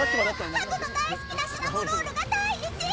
ハグの大好きなシナモロールが第１位！